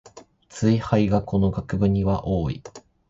ツイ廃がこの学部には多い